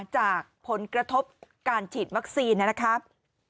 จากผลกระทบการฉีดวัคซีนนะครับ